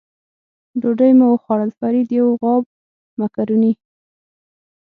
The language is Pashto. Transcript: ډوډۍ مو وخوړل، فرید یو غاب مکروني.